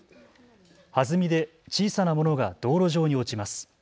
はずみで小さなものが道路上に落ちます。